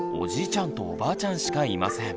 ちゃんとおばあちゃんしかいません。